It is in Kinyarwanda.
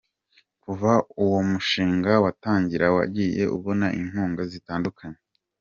Kuva uwo mushinga watangira wagiye ubona inkunga zitandukanye.